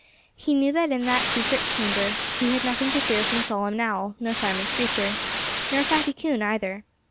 He knew that in that secret chamber he had nothing to fear from Solomon Owl nor Simon Screecher, nor Fatty Coon, either.